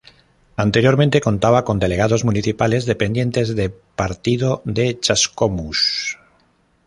Anteriormente contaba con Delegados Municipales, dependientes de partido de Chascomús.